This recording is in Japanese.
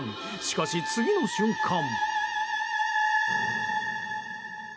しかし、次の瞬間。